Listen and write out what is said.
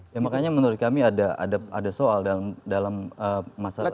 ya makanya menurut kami ada soal dalam masalah administrasi kita